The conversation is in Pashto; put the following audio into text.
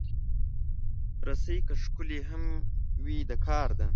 رسۍ که ښکلې هم وي، د کار ده.